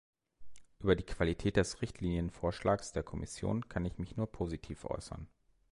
Über die Qualität des Richtlinienvorschlags der Kommission kann ich mich nur positiv äußern.